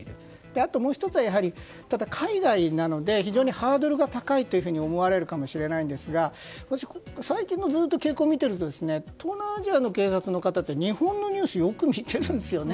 あと、もう１つは海外なので非常にハードルが高いと思われるかもしれませんが私、最近の傾向を見ていると東南アジアの警察の方って日本のニュースをよく見ているんですね。